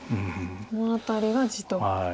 この辺りが地と。